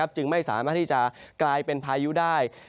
จึงไม่สามารถที่จะกลายเป็นพายุได้